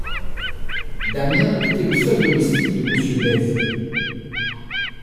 Damiens était le seul domestique de Monsieur Bèze.